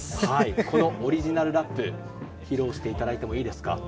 このオリジナルラップ、披露していただいてもいいですか。